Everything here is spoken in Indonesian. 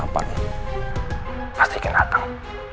pasti akan datang